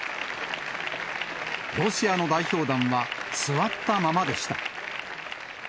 ロシアの代表団は、座ったままでした。